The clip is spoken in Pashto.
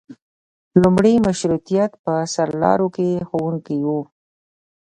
لومړي مشروطیت په سرلارو کې ښوونکي وو.